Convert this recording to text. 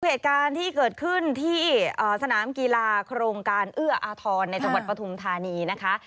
เหตุการณ์ที่เกิดขึ้นที่สนามกีฬาโครงการเอื้ออาทรในจังหวัดปฐุมธานีนะคะ